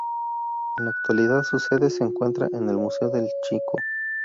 En la actualidad su sede se encuentra en el Museo del Chicó.